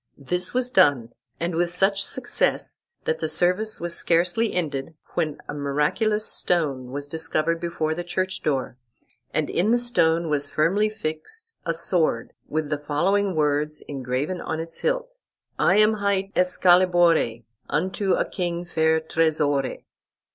This was done, and with such success, that the service was scarcely ended when a miraculous stone was discovered before the church door, and in the stone was firmly fixed a sword, with the following words engraven on its hilt: "I am hight Escalibore, Unto a king fair tresore."